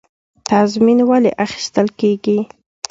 تضمین ولې اخیستل کیږي؟